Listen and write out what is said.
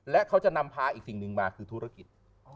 และเขาจะนำพาอีกสิ่งหนึ่งมาคือธุรกิจ